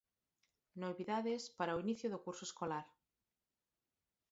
Novidades para o inicio do curso escolar.